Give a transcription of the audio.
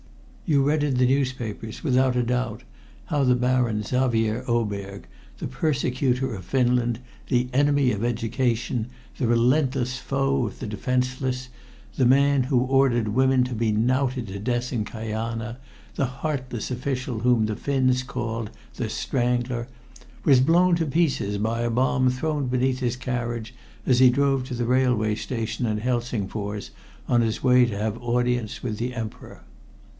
You read in the newspapers, without a doubt, how the Baron Xavier Oberg, the persecutor of Finland, the enemy of education, the relentless foe of the defenseless, the man who ordered women to be knouted to death in Kajana, the heartless official whom the Finns called "The Strangler," was blown to pieces by a bomb thrown beneath his carriage as he drove to the railway station at Helsingfors on his way to have audience with the Emperor.